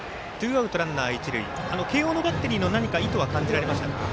慶応のバッテリーの意図は感じられましたか。